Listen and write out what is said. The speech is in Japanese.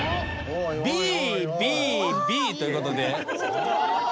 「Ｂ」「Ｂ」「Ｂ」ということで。